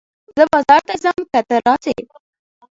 زه بازار ته ځم که ته راسې